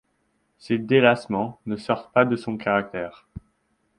Ces délassements ne sortent pas de son caractère.